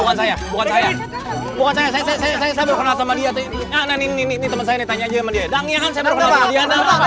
nggak iya kan saya baru kenal sama dia